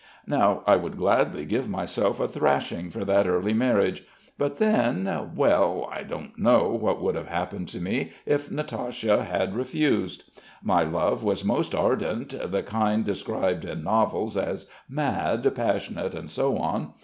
Now, I would gladly give myself a thrashing for that early marriage; but then well, I don't know what would have happened to me if Natasha had refused. My love was most ardent, the kind described in novels as mad, passionate, and so on.